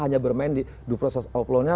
hanya bermain di proses upload nya